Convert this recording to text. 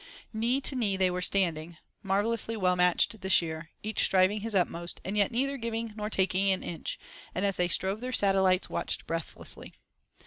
Knee to knee they were standing, marvellously well matched this year, each striving his utmost, and yet neither giving nor taking an inch; and as they strove their satellites watched breathlessly.